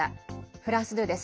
フランス２です。